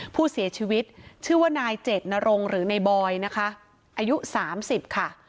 ผู้เสียชีวิตชื่อว่านายเจ็ดนรงหรือในบอยนะคะอายุ๓๐ค่ะ